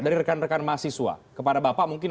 dari rekan rekan mahasiswa kepada bapak mungkin